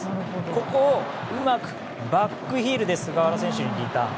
ここをうまくバックヒールで菅原選手にリターン。